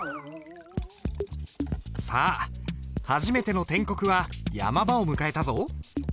さあ初めての篆刻は山場を迎えたぞ。